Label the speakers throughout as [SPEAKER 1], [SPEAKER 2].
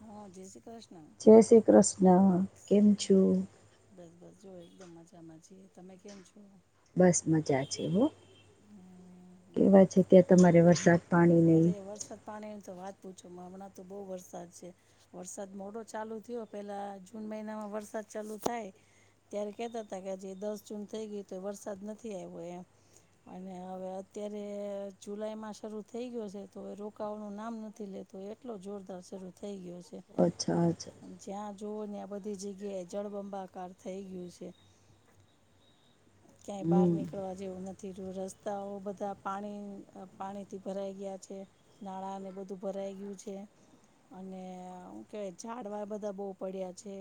[SPEAKER 1] હા જેસી ક
[SPEAKER 2] ચસી કૃષ્ણ કેમ છો?
[SPEAKER 1] બસ બસ જોઓ એકદમ મજામાં છીએ તમે કેમ છો?
[SPEAKER 2] બસ મજા છે હો, કેવા છે ત્યાં તમારે વરસાદ? પાણી નહી
[SPEAKER 1] અરે વરસાદ પાણી ની તો વાત પૂછો હમણાં તો બહુ વરસાદ છે. વરસાદ મોડો ચાલુ થયો પેલા જૂન મહિનામાં વરસાદ ચાલુ થાય. ત્યારે કહેતા હતા કે આજ દસ જૂન થઈ ગય તો વરસાદ નથી આવ્યો એમ. અને હવે અત્યારે જુલાઈમાં શરૂ થઈ ગયો છે તો રોકાવાનું નામ નથી લેતો એટલો જોરદાર શરૂ થઈ ગયો છે.
[SPEAKER 2] અચ્છા અચ્છા
[SPEAKER 1] જ્યાં જવ ને આ બધી જગ્યાએ જળબંબાકાર થઈ ગયું છે. ક્યાંય બહાર
[SPEAKER 2] હમ
[SPEAKER 1] નીકળવા જેવું નથી રહ્યું રસ્તાઓ બધા પાણી પાણી ભરાઈ ગયા છે. નાણાંને બધું ભરાઈ ગયું છે. અને કેવાય ઝાડવા બધા બહુ પડ્યા છે.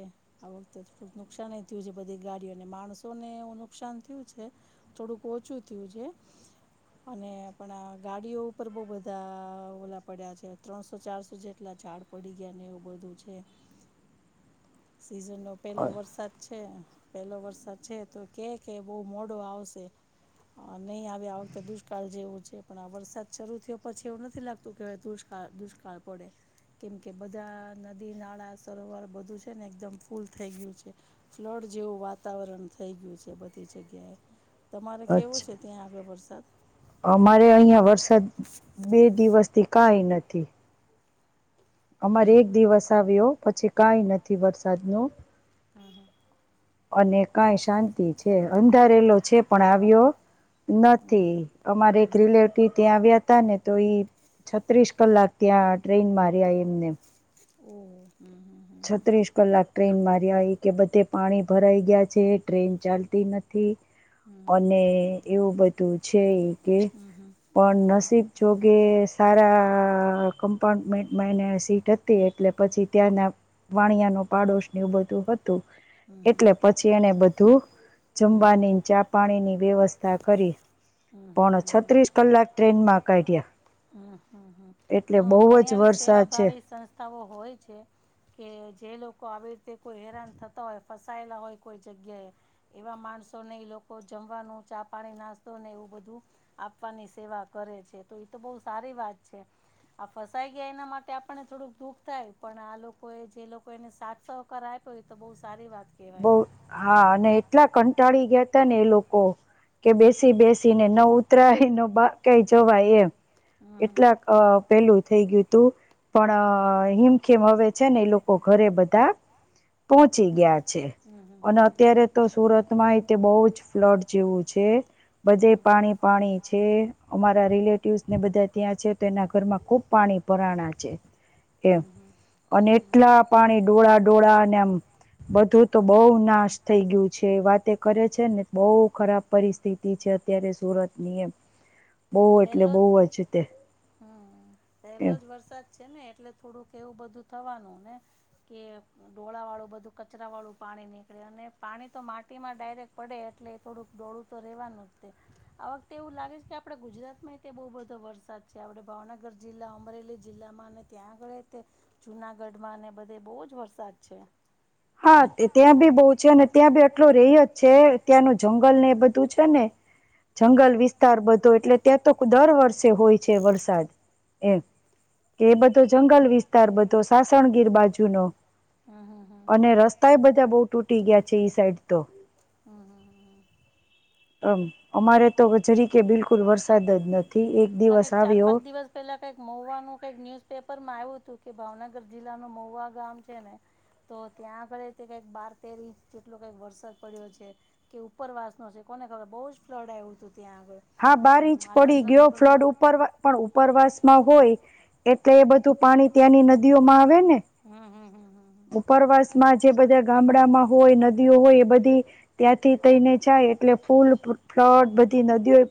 [SPEAKER 1] આ વખતે થોડુંક નુકસાન થયું છે. બધી ગાડીઓને માણસોને એવું નુકસાન થયું છે. થોડુંક ઓછું થયું છે, અને આપણા આ ગાડીઓ ઉપર બઉુ બધા ઓલા પડ્યા છે ત્રણસો ચારસો જેટલા ઝાડ પડી ગયા ને એવું બધું છે.
[SPEAKER 2] [inaudible]
[SPEAKER 1] સીઝન નો પેલો
[SPEAKER 2] અ-
[SPEAKER 1] વરસાદ છે પેલો વરસાદ છે તો કે કે બહુ મોડો આવશે. નહી આવેે આ વખતે તો દુષ્કાળ જેવું છે. પણ આ વરસાદ શરૂ થયો પછી એવું નથી લાગતું કે હવે દુષ્કાળ દુષ્કાળ પડે. કેમ કે બધા નદી નાળા સરોવર બધું છે ને એકદમ ફૂલ થઈ ગયું છે. ફ્લડ જેવું વાતાવરણ થઈ ગયું છે બધી જગ્યાએ તમારે કેવો
[SPEAKER 2] અચ્છા
[SPEAKER 1] છે ત્યાં આગળ વરસાદ.?
[SPEAKER 2] અમારે અહિયાં વરસાદ બે દિવસથી કઈ નથી. અમારે એક દિવસ આવ્યો પછી કઈ નથી વરસાદ નું
[SPEAKER 1] હમ હ.
[SPEAKER 2] અને કઈ શાંતિ છે અંધારેલો છે પણ આવ્યો. નથી. અમારે એક
[SPEAKER 1] હમ
[SPEAKER 2] રિલેટિવ ત્યાં આવ્યા હતા ને તો ઈ છત્રીસ કલાક ત્યાં ટ્રેન મા રહયા એમને
[SPEAKER 1] ઓહ હા.
[SPEAKER 2] છત્રીસ કલાક ટ્રેન માર આવી કે બધે પાણી ભરાઈ ગયા છે. ટ્રેન ચાલતી નથી.
[SPEAKER 1] હમ
[SPEAKER 2] અને એવું બધું છે. કે
[SPEAKER 1] હમ હમ
[SPEAKER 2] પણ
[SPEAKER 1] હમ હમ હમ
[SPEAKER 2] નસીબ જોગે કે સારા કમ્પાર્ટમેન્ટમાં એને સીટ હતી એટલે પછી ત્યાંના વાણિયા ન પાડોશ નું બધું હતું
[SPEAKER 1] હમ હમ
[SPEAKER 2] એટલે પછી એને બધું
[SPEAKER 1] હમ હમ
[SPEAKER 2] જમવાની, ચા, પાણીની વ્યવસ્થા કરી.
[SPEAKER 1] હમ હમ.
[SPEAKER 2] પણ
[SPEAKER 1] હમ
[SPEAKER 2] છત્રીસ કલાક ટ્રેન માં કાઢ્યા.
[SPEAKER 1] હમ હમ હમ
[SPEAKER 2] એટલે
[SPEAKER 1] હમ
[SPEAKER 2] બહુ જ
[SPEAKER 1] ઘણી આવી સેવા
[SPEAKER 2] વરસાદ છે
[SPEAKER 1] ભાવી સંસ્થાઓ હોય છે. કે જે લોકો આવી રીતે કોઈ હેરાન થતા હોય ફસાયેલા હોય કોઈ જગ્યાએ એવા માણસોને લોકો જમવાનું ચા, પાણી, નાસ્તો ને એવું બધું આપવાની સેવા કરે છે. તો એ તો બહુ સારી વાત છે. આ ફસાઈ ગયા એના માટે આપણને થોડુંક દુઃખ થાય, પણ આ લોકોએ જે લોકો એને સાતસો સકાર આય્યો ય તો બહુ સારી વાતછે.
[SPEAKER 2] બહુ, હા અને એટલા ક ટાળી ગયા તા ને એ લોકો, કે બેસી બેસી ને નવ ઉતરાહી ન બાર કઈ જવા એમ
[SPEAKER 1] હમ હમ
[SPEAKER 2] એટલા પેલું થઈ ગયું તું. પણ હિમખેમ હવે છે ને એ લોકો ઘરે બધા પહોંચી ગયા.
[SPEAKER 1] હમ હમ
[SPEAKER 2] અને
[SPEAKER 1] હમ
[SPEAKER 2] અત્યારે તો સુરતમાં એ બહ જ ફ્લડ જેવું છે.
[SPEAKER 1] હમ હમ
[SPEAKER 2] બધે
[SPEAKER 1] હમ
[SPEAKER 2] પાણી પાણી છે. અમારા રિલેટિવસ ને બધા ત્યાં છે. તેના ઘરમાં ખુબ પાણી પરાણા છે.
[SPEAKER 1] હમ
[SPEAKER 2] એમ
[SPEAKER 1] હમ હમ
[SPEAKER 2] અને એટલા પાણી ડોળા ડોળા ને આમ બધું તો બઉુ નાશ થઈ ગયું છે, વાત
[SPEAKER 1] હમ
[SPEAKER 2] કરે છે ને. બહુ ખરાબ પરિસ્થિતિ છે અત્યારે સુરત ની એમ બહુ એટલે બહુ જ તે.
[SPEAKER 1] હમ પહેલો
[SPEAKER 2] એમ
[SPEAKER 1] જ વરસાદ છે ને, એટલે થોડુંક એવું બધું થવાનું ને કે ડોળાવાળું બધું કચરાવાળું પાણી નીકળે, અને પાણી તો માટીમાં ડાયરેક્ટ પડે એટલે થોડુંક ડોળું તો રહેવાનું જ તે, આ વખતે એવું લાગે છે કે, આપણા ગુજરાતમાં તે બહુ બધો વરસાદ જે આપણે ભાવનગર જિલ્લા અમરેલી જિલ્લામાં અને ત્યાં આગળ તે જુનાગઢમાં અને બધે બહુ જ વરસાદ છે.
[SPEAKER 2] હા ત્યાં બી બહુ છે અને ત્યાં બી આટલો રહી જ છે. ત્યાંનું જંગલ ને એ બધું છે ને
[SPEAKER 1] હમ.
[SPEAKER 2] જંગલ. વિસ્તાર બધો એટલે ત્યાં તો દર વર્ષે હોય છે વરસાદ એમ કે એ બધો જંગલ વિસ્તાર બધો સાસણગીર બાજુનો
[SPEAKER 1] હા હા હા.
[SPEAKER 2] અને રસ્તા એ બધા બઉુ તૂટી ગયા છે ઈ સાઈડ તો.
[SPEAKER 1] હમ હ હ હ.
[SPEAKER 2] આમ અમારે તો જરી કે બિલકુલ વરસાદ જ નથી. એક
[SPEAKER 1] આપણા ક
[SPEAKER 2] દિવસ
[SPEAKER 1] ચાર
[SPEAKER 2] આવ્યો
[SPEAKER 1] પાંચ દિવસ પેલા કઈક મહુવાનું કઈક ન્યુઝ પેપરમાં આવ્યું હતું કે ભાવનગર જિલ્લાનું મહુવા ગામ છે ને તો ત્યાં આગળ તે કંઈક બાર તેર ઇંચ જેટલો કંઈક વરસાદ પડ્યો છે. કે ઉપરવાસનો છે કોને ખબર બહુ જ ફ્લડ આવ્યું હતું ત્યાં આગળ
[SPEAKER 2] હા બાર
[SPEAKER 1] અને
[SPEAKER 2] ઇંચ પડી
[SPEAKER 1] માલણ
[SPEAKER 2] ગયો
[SPEAKER 1] નદી બધું
[SPEAKER 2] ફ્લડ ઉપર પણ ઉપરવાસ માં હોય. એટલે એ બધું પાણી ત્યાંની નદીઓ માં આવે ને.
[SPEAKER 1] હા હા હા હા હા.
[SPEAKER 2] ઉપરવાસમાં જે બધા ગામડામાં હોય નદીઓ હોય એ બધી ત્યાંથી થઈને જાય એટલે ફૂલ ફ્લટ બધી નદીઓ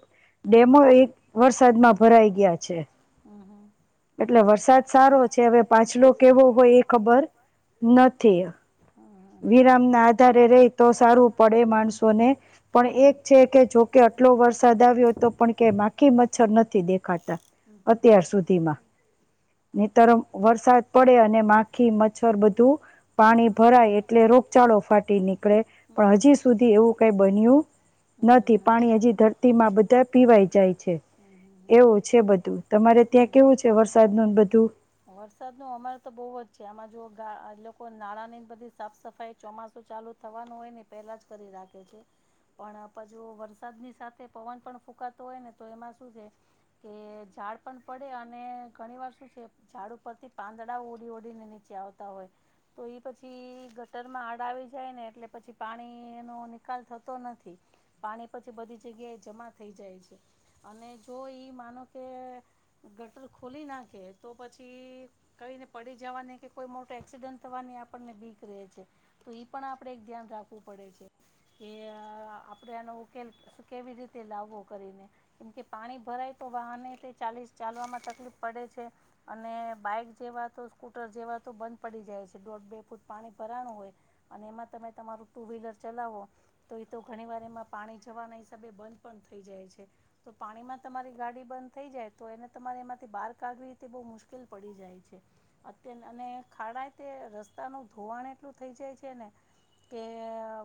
[SPEAKER 2] ડેમો એક વરસાદમાં ભરાઈ ગયા છે.
[SPEAKER 1] હા હા.
[SPEAKER 2] એટલે વરસાદ સારો છે હવે પાછલો કેવો હોય એ ખબર નથી. વિરામ ના
[SPEAKER 1] ઈરામના
[SPEAKER 2] આધારે રહી તો સારું પડે માણસોને પણ
[SPEAKER 1] હમ હ
[SPEAKER 2] એક છે કે જો કે આટલો વરસાદ આવ્યો હતો પણ કે માખી મચ્છર નથી દેખાતો
[SPEAKER 1] નથી હમ
[SPEAKER 2] અત્યાર
[SPEAKER 1] હ એ બંધ
[SPEAKER 2] સુધીમાં
[SPEAKER 1] થઈ
[SPEAKER 2] ને
[SPEAKER 1] હમ હમ
[SPEAKER 2] તર
[SPEAKER 1] હમ હમ
[SPEAKER 2] વરસાદ પડે અને માખી મચ્છર બધું પાણી ભરાય એટલે રોગચાળો ફાટી નીકળે પણ હજી સુધી એવું કઈ બન્યું
[SPEAKER 1] હમ
[SPEAKER 2] નથી પાણી હજી ધરતીમાં બધા પીવાઈ જાય છે
[SPEAKER 1] હમ હમ
[SPEAKER 2] એવું છે બધું. તમારે ત્યાં કેવું છે વરસાદનું બધું.
[SPEAKER 1] વરસાદ નો અમર તો બહુ જ છે આમાં જો ગ લોકો નાણાં ની બધી સાફ સફાઈ ચોમાસું ચાલુ. થવાનું હોય ને પહેલા જ કરી રાખે છે. પણ આપા જો વરસાદની સાથે પવન પણ ફૂંકાતો હોય ને તો એમાં શું છે. કે ઝાડ પણ પડે અને ઘણી વાર શું છે. ઝાડુ પરથી પાંદડા ઉડી ઉડીને નીચે આવતા હોય. તો એ પછી ગટરમાં આડ આવી જાય ને એટલે પછી પાણીનો નિકાલ થતો નથી. પાણી પછી બધી જગ્યાએ જમા થઈ જાય છે. અને જો ઈ માનો કે ગટર ખોલી નાખે તો પછી કઈને પડી જવાની કે કોઈ મોટો એક્સિડન્ટ થવાની આપણને બીક રહે છે. તો ઈ પણ આપડે એક ધ્યાન રાખવું પડે છે. કે આપણે આનો ઉકેલ કેવી રીતે લાવવો કરીને. કેમકે પાણી ભરાય તો વાહને તે ચાલી ચાલવામાં તકલીફ પડે છે. અને બાઈક જેવા તો સ્કૂટર જેવા તો બંધ પડી જાય છે દોઢ બે ફૂટ પાણી ભરાણું હોય. અને એમાં તમે તમારું ટુ વ્હીલર ચલાવો. તો એ તો ઘણી વાર એમાં પાણી જવાના હિસાબે બંધ પણ થઈ જાય છે. તો પાણીમાં તમારી ગાડી બંધ થઈ જાય તો એને તમારે એમાંથી બહાર કાઢવી તે બહુ મુશ્કેલ પડી જાય છે. અત્ય અને ખાડા તે રસ્તાનું ધોવાણ એટલું થઈ જાય છે ને. કે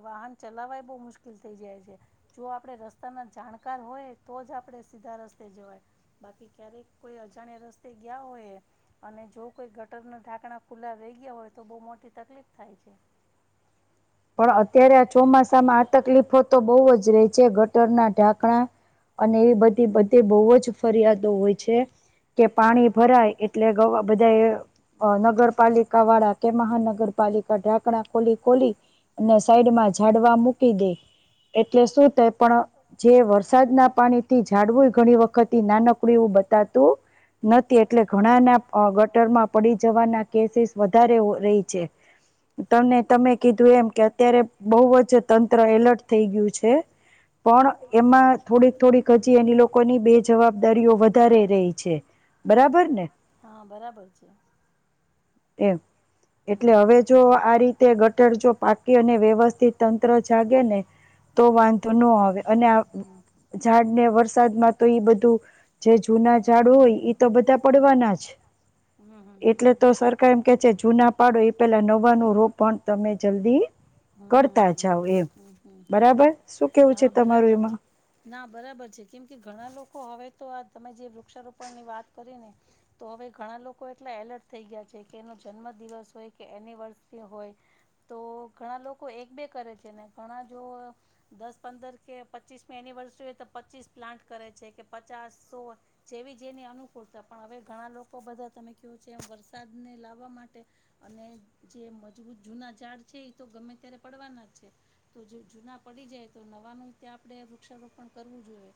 [SPEAKER 1] વાહન ચલાવાય બહુ મુશ્કેલ થઇ જાય છે. જો આપડણે રસ્તા ના જાણકાર હોય તો જ આપણેે સીધા રસ્તે જવાય બાકી ક્યારેક કોઈ અજાણ્યા રસ્તે ગયા હોય અને જો કોઈ ગટરના ઢાંકણા ખુલ્લા રહી ગયા હોય તો બહુ મોટી તકલીફ થાય છે.
[SPEAKER 2] પણ અત્યારે આ ચોમાસામાં આ તકલીફો તો બહુ જ રે છે ગટરના ઢાંકણા અને એવી બધી બધી બહુ જ ફરિયાદો હોય છે. છે કે પાણી ભરાય એટલે ગવા બધા એ અ નગરપાલિકા વાડા કે મહાનગરપાલિકા ઢાકણા ખોલી ખોલી અને સાઈડમાં ઝાડવા મૂકી દે એટલે શું થ પણ જે વરસાદ ના પાણી થી જાડવું ઘણી વખત નાનકડું એવું બતાતું. નથી એટલે ઘણાના અ ગટરમાં પડી જવાના કેસીસ વધારે રહી છે. તને તમે કીધું એમ. કે અત્યારે બહુ જ તંત્ર એલર્ટ થઈ ગયું છે. પણ એમાં થોડીક થોડીક જી એની લોકો ની બે જવાબદારીઓ વધારે રહી છે બરાબર ને
[SPEAKER 1] હા બરાબર છે.
[SPEAKER 2] એમ
[SPEAKER 1] હમ. હમ. હમ હમ હમ હમ. હમ હમ હમ હમ.
[SPEAKER 2] એટલે હવે જો આ રીતે ગઠર જો પાક વ્યવસ્થિત તંત્ર જાગે ને તો વાંધો ન આવે અને ઝાડ ને વરસાદ માં તો એઈ બધું જે જૂના ઝાડ હોય. તો બધા પડવાના જ એટલે તો સરકાર એ કે છે જૂના પાડો એ પેલા નવા ન રો પણ તમે જલ્દી કરતા
[SPEAKER 1] હમ
[SPEAKER 2] જાવ એમ
[SPEAKER 1] હમ હમ હમ
[SPEAKER 2] બરાબર શું કેવું છે
[SPEAKER 1] હા
[SPEAKER 2] તમારું
[SPEAKER 1] બરાબર
[SPEAKER 2] એમાં
[SPEAKER 1] છે. ના બરાબર છે કેમ કે ઘણા લોકો હવે તો આ તમે જે વૃક્ષારોપણની વાત કરી ને તો હવે ઘણા લોકો એટલા એલર્ટ થઈ ગયા છે કે એનો જન્મદિવસ હોય કે એનિવર્સરી હોય. તો ઘણા લોકો એક બે કરે છે ને ઘણા જો દસ પંદર કે પચ્ચીસમી એનિવર્સરી હોય તો પચીસ પ્લાન્ટ કરે છે કે પચાસો જેવી જેની અનુકૂળતા પણ હવે ઘણા લોકો બધા તમે કેવું છે એમ વરસાદને લાવવા માટે અને જે મજબૂત જૂના ઝાડ છે એ તો ગમે ત્યારે પડવાના જ છે. તો જો જૂના પડી જાય તો નવાનું તે આપણે વૃક્ષારોપણ કરવું જોઈએ.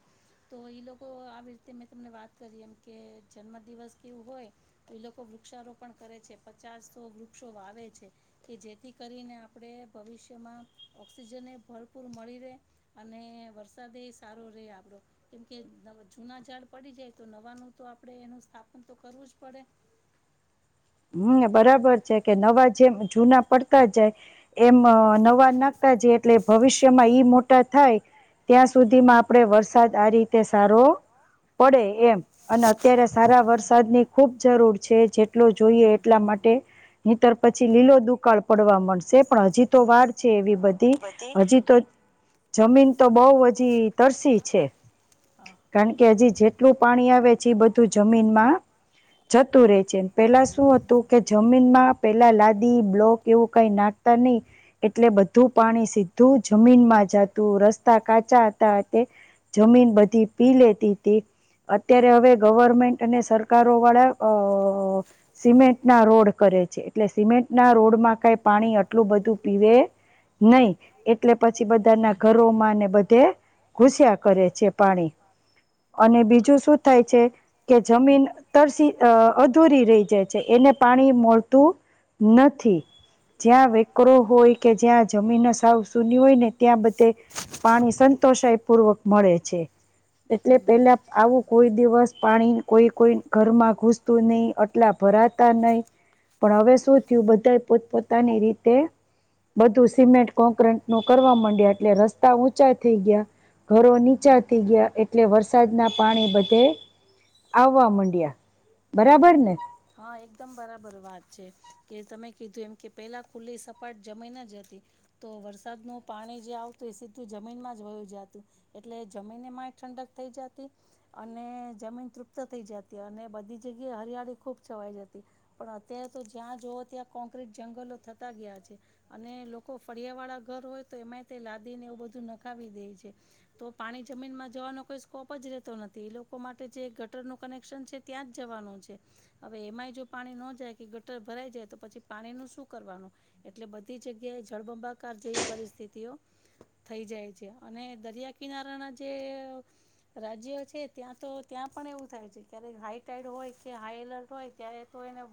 [SPEAKER 1] તો એ લોકો આવી રીતે મેં તમને વાત કરી એમ કે જન્મદિવસ કેવું હોય. એ લોકો વૃક્ષારોપણ કરે છે, પચાસો વૃક્ષો વાવે છે કે જેથી કરીને આપણે ભવિષ્યમાં ઓક્સિજનને ભરપૂર મળી રહે. અને વરસાદ એ સારો રે આપડો કેમકે જુના ઝાડ પડી જાય તો નવાનું તો આપણેે એનું સ્થાપન તો કરવું જ પડે.
[SPEAKER 2] હમ બરાબર છે કે નવા જેમ જૂના પડતા જાય. એમ નવા નાખતા જે એટલે ભવિષ્યમાં ઈ મોટા થાય. ત્યાં સુધીમાં આપડે વરસાદ આ રીતે સારો પડે એમ અને અત્યારે
[SPEAKER 1] હા
[SPEAKER 2] સારા વરસાદની ખુબ જરૂર છે જેટલો
[SPEAKER 1] હમ
[SPEAKER 2] જોઈએ
[SPEAKER 1] હમ
[SPEAKER 2] એટલા માટે નીતર પછી લીલો દુકાળ પડવા મળશે. છે પણ હજી તો
[SPEAKER 1] હમ
[SPEAKER 2] વાર છે એવી બધી હજી
[SPEAKER 1] હમ
[SPEAKER 2] તો જમીન તો બઉ હજી તરસી છે.
[SPEAKER 1] હા
[SPEAKER 2] કારણ કે હજી જેટલું પાણી આવે છે એ બધું જમીનમાં જતું રહેે છે.
[SPEAKER 1] હમ
[SPEAKER 2] પેલા
[SPEAKER 1] હમ
[SPEAKER 2] શું હતું કે જમીનમાં પેલા લાદી બ્લોક એવું કઈ નાખતા નહી એટલે બધું પાણી સીધું જમીનમાં જાતું રસ્તા કાચા હતા તે જમીન બધી પી લેતી હતી. અત્યારે હવે ગવર્મેન્ટ અને સરકારો વાળા અ સિમેન્ટ ના રોડ કરે છે એટલે સિમેન્ટ ના રોડમાં કઈ પાણી આટલું બધું પીવે નઈ એટલે પછી બધાના ઘરોમાં ને બધે ઘુસ્યા કરે છે પાણી અને બીજું શું થાય છે કે જમીન તરસી અધૂરી રહી છે એને પાણી મળતું નથી. જ્યાં વેકરો હોય કે જ્યાં જમીન સાવ સુની હોય ને ત્યાં બધે પાણી સંતોષાય પૂર્વક મળે છે.
[SPEAKER 1] હમ
[SPEAKER 2] એટલે
[SPEAKER 1] હમ
[SPEAKER 2] પેલા આવું કોઈ દિવસ પાણી કોઈ કોઈ ઘરમાં ઘૂસતું નહી. એટલા ભરાતા નહી પણ હવે શું થયું બધા પોતપોતાની રીતે બધું સિમેન્ટ કોંક્રટ નું કરવા માંડ્યા એટલે રસ્તા ઊંચા થઈ ગયા ઘરો નીચા થઈ ગયા એટલે વરસાદના પાણી બધે આવવા મડિયા બરાબર ને
[SPEAKER 1] હા એકદમ બરાબર વાત છે. કે તમે કીધું એમ કે પેલા ખુલ્લી સપાટ જમી ન જ હતી. તો વરસાદનું પાણી જે આવતું એ સીધું જમીનમાં જ વયું જાતું. એટલે જમીન મા ઠંડક થઈ જાતી. અને જમીન તૃપ્ત થઇ જતી અને બધી જગ્યાએ હરિયાળી ખૂબ છવાઈ જાતી. પણ અત્યારે તો જ્યાં જવો ત્યાં કોંક્રટ જંગલો થતા ગયા છે. અને લોકો ફળિયા વાળા ઘર હોય તો એમાંય તે લાદીને એવું બધું નખાવી દે છે. તો પાણી જમીનમાં જવાનો કોઈ સ્કોપ જ રહેતો નથી એ લોકો માટે જે ગટરનું કનેક્શન છે. ત્યાં જ જવાનું છે. હવે એમાંય જો પાણી નો જાય કે ગટર ભરાઈ જાય તો પછી પાણી નું શું કરવાનું એટલે બધી જગ્યાએ જળબંબાકાર જેવી પરિસ્થિતિઓ થઈ જાય છે અને દરિયા કિનારાના જે રાજ્ય છે ત્યાં તો ત્યાં પણ એવું થાય છે ક્યારેક હાઈટાઈડ હોય ત્યાં હાઈ એલર્ટ હોય ત્યારે તો એને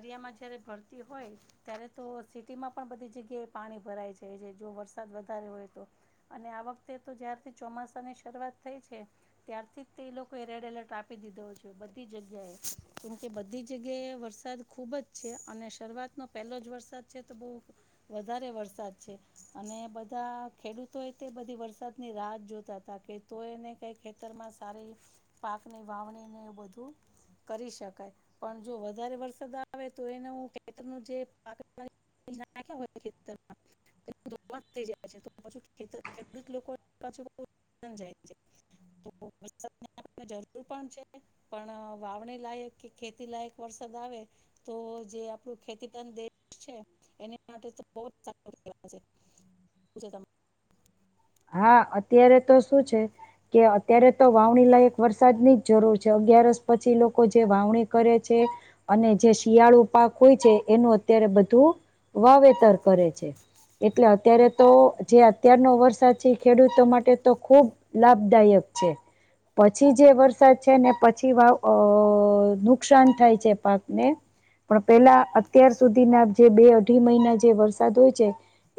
[SPEAKER 1] દરિયામાં જ્યારે ભરતી હોય ત્યારે તો સિટીમાં પણ બધી જગ્યાએ પાણી ભરાય છે જો વરસાદ વધારે હોય તો. અને આ વખતે તો જ્યારથી ચોમાસાની શરૂઆત થઈ છે. ત્યારથી જ તે એ લોકોએ રેડ એલર્ટ આપી દીધો છે બધી જગ્યાએ કેમકે બધી જગ્યાએ વરસાદ ખુબ જ છે અને શરૂઆતનો પહેલો જ વરસાદ છે તો બહુ વધારે વરસાદ છે અને બધા ખેડૂતોએ તે બધી વરસાદની રાહત જોતા હતા કે તો એને કંઈ ખેતરમાં સારી પાકની વાવણીને બધું કરી શકાય પણ જો વધારે વરસાદ આવે તો એને હું ખેતનું જે [unintelligible] નાખ્યાં હોય ખેતરમાં [unintelligible] તો વરસાદ જરૂર પણ છે પણ વાવણી લાયક કે ખેતી લાયક વરસાદ આવે તો જે આપણું ખેતી પ્રધાન દેશ છે એને માટે તો બહ જ સારો છે. [unintelligible]
[SPEAKER 2] હા અત્યારે તો શું છે કે અત્યારે તો વાવણી લાયક વરસાદ ની જ જરૂર છે અગિયારસ પછી લોકો જે વાવણી કરે છે અને જે શિયાળુ પાક હોય છે એનું અત્યારે બધું વાવેતર કરે છે એટલે અત્યારે તો જે અત્યારનો વરસાદ પછી ખેડૂતો માટે તો ખૂબ લાભદાયક છે. પછી જે વરસાદ છે ને પછી વાવ અ નુકસાન થાય છે પાકને પણ પેલા અત્યાર સુધી ના જે બે અઢી મહિના જે વરસાદ હોય છે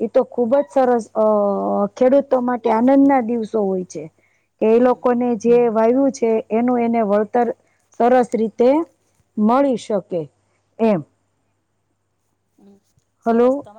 [SPEAKER 2] એ તો ખુબ જ સરસ અ ખેડૂતો માટે આનંદ ના દિવસો હોય છે કે એ
[SPEAKER 1] હમ
[SPEAKER 2] લોકોને જે વાયુ છે એનું એને વળતર સરસ રીતે મળી શકે એમ
[SPEAKER 1] હમ્મ સરસ
[SPEAKER 2] હલો
[SPEAKER 1] તમા